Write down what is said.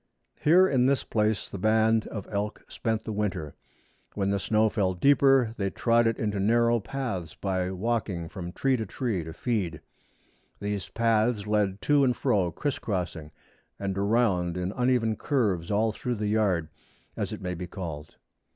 Here in this place the band of elk spent the winter. When the snow fell deeper they trod it into narrow paths by walking from tree to tree to feed. These paths led to and fro, criss crossing, and around in uneven curves all through the yard, as it may be called.